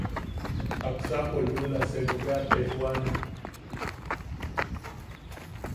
Jaksapo luula senu bea a tejwane.